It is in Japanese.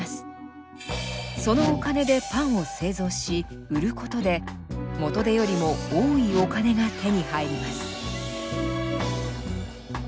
そのお金でパンを製造し売ることで元手よりも多いお金が手に入ります。